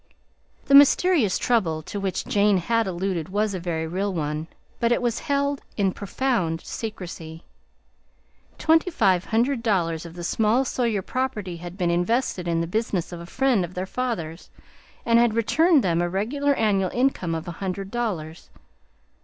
The mysterious trouble to which Jane had alluded was a very real one, but it was held in profound secrecy. Twenty five hundred dollars of the small Sawyer property had been invested in the business of a friend of their father's, and had returned them a regular annual income of a hundred dollars.